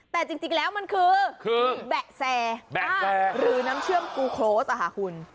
แต่จริงแล้วมันคือแบะแซะหรือน้ำเชื่อมกูโครสค่ะคุณ